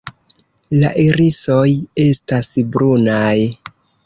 La irisoj estas brunaj.